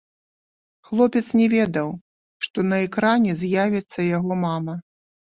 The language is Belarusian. Хлопец не ведаў, што на экране з'явіцца яго мама.